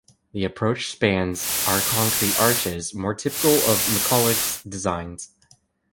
The approach spans are concrete arches more typical of McCullough's designs.